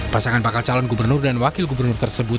pasangan bakal calon gubernur dan wakil gubernur tersebut